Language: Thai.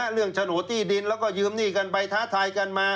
โฉนดที่ดินแล้วก็ยืมหนี้กันไปท้าทายกันมา